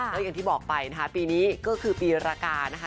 เมื่อกันพี่บอกไปนะคะปีนี้ก็คือปีระกาศนะคะ